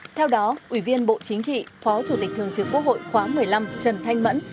theo đó ủy viên bộ chính trị phó chủ tịch thường trực quốc hội khóa một mươi năm trần thanh mẫn